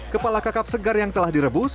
kepala kakap segar yang telah direbus